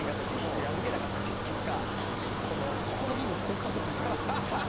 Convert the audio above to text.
僕破けなかった結果このここの部分こうかぶってずっと踊って。